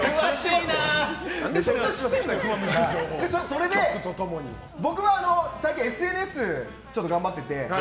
それで、僕は最近ＳＮＳをちょっと頑張ってて。